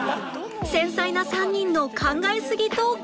繊細な３人の考えすぎトーク